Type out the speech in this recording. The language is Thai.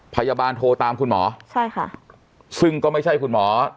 พยาบาลโทรตามคุณหมอใช่ค่ะซึ่งก็ไม่ใช่คุณหมอ